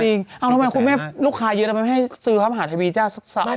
เอาทำไมลูกค้าเยอะแล้วไม่ให้ซื้อความหาเทวีเจ้าสัก๒๓เพศ